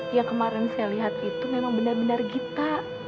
yang kemarin saya lihat itu memang benar benar kita